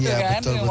oh iya betul betul